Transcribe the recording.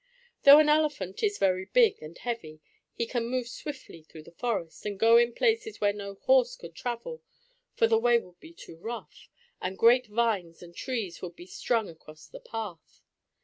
Though an elephant is very big and heavy he can move swiftly through the forest, and go in places where no horse could travel, for the way would be too rough, and great vines and trees would be strung across the path.